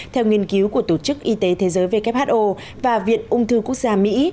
theo nghiên cứu của tổ chức y tế thế giới who và viện ung thư quốc gia mỹ